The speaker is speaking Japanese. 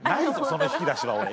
その引き出しは俺。